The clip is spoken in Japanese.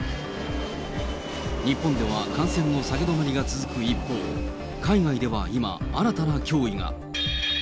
日本では感染の下げ止まりが続く一方、海外では今、新たな脅威が。